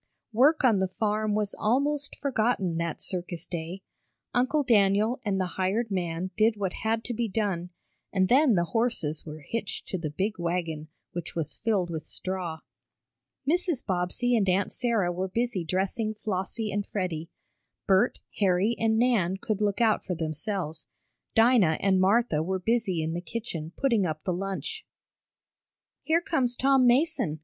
Work on the farm was almost forgotten that circus day. Uncle Daniel and the hired man did what had to be done, and then the horses were hitched to the big wagon, which was filled with straw. Mrs. Bobbsey and Aunt Sarah were busy dressing Flossie and Freddie. Bert, Harry and Nan could look out for themselves. Dinah and Martha were busy in the kitchen putting up the lunch. "Here comes Tom Mason!"